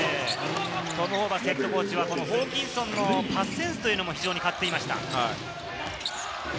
トム・ホーバスＨＣはホーキンソンのパスセンスというのも非常に買っていました。